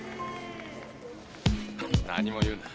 何も言うな。